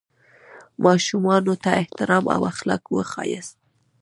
ماشومانو ته احترام او اخلاق وښیاست.